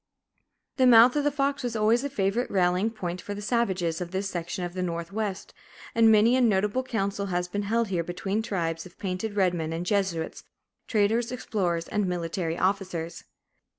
The mouth of the Fox was always a favorite rallying point for the savages of this section of the Northwest, and many a notable council has been held here between tribes of painted red men and Jesuits, traders, explorers, and military officers.